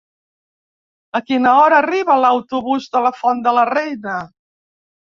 A quina hora arriba l'autobús de la Font de la Reina?